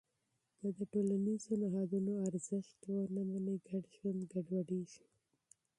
که د ټولنیزو نهادونو ارزښت ونه منې، ګډ ژوند ګډوډېږي.